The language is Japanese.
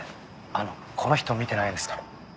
あのこの人見てないですか？